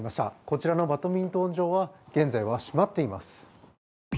こちらのバドミントン場は現在は閉まっています。